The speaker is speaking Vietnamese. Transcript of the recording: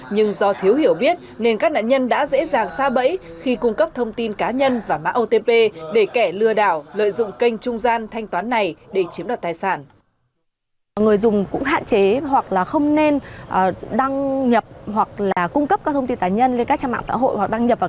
nhưng do thiếu hiểu biết nên các nạn nhân đã dễ dàng xa bẫy khi cung cấp thông tin cá nhân và mã otp